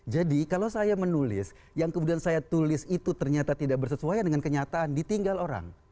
jadi kalau saya menulis yang kemudian saya tulis itu ternyata tidak bersesuaian dengan kenyataan ditinggal orang